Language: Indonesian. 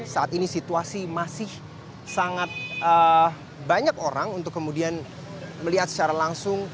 saat ini situasi masih sangat banyak orang untuk kemudian melihat secara langsung